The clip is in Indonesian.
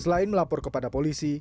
selain melapor kepada polisi